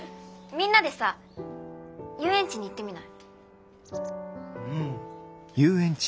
みんなでさ遊園地に行ってみない？